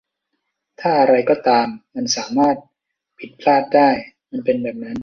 ถ้าอะไรก็ตามมันสามารถผิดพลาดได้ มันเป็นแบบนั้น